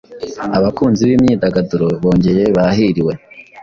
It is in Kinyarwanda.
abakunzi b imyidagaduro bongeye bahiriwe